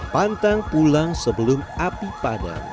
pantang pulang sebelum api padam